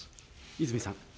泉さん。